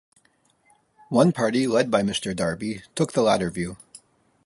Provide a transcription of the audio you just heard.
One party, led by Mr Darby, took the latter view.